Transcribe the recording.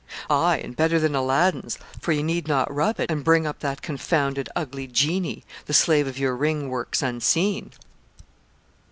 'Aye, and better than Aladdin's, for you need not rub it and bring up that confounded ugly genii; the slave of your ring works unseen.'